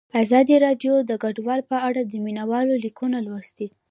ازادي راډیو د کډوال په اړه د مینه والو لیکونه لوستي.